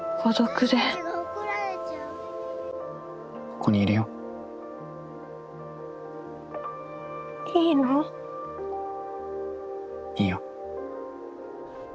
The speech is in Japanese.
ここにいるよ。いいの？いいよ。